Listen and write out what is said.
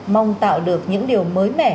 mong tạo được những điều mới mẻ